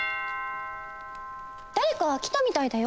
だれか来たみたいだよ？